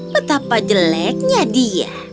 betapa jeleknya dia